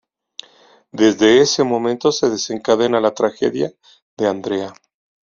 Desde ese momento se desencadena la tragedia de Andrea.